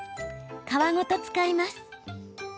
皮ごと使います。